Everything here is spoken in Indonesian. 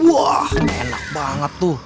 wah enak banget tuh